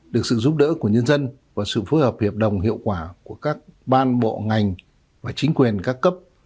được sự giúp đỡ của nhân dân và sự phối hợp hiệp đồng hiệu quả của các ban bộ ngành và chính quyền các cấp